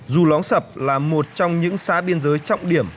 dù lóng sập là một trong những xã biên giới trọng điểm